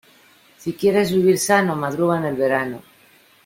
Si quieres vivir sano, madruga en el verano.